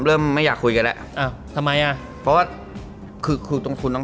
เริ่มไม่อยากคุยกันแหละอ่าทำไมอ่ะเพราะว่าคือคือคุณต้อง